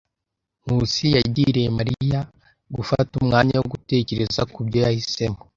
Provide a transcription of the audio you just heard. Nkusi yagiriye Mariya gufata umwanya wo gutekereza kubyo yahisemo.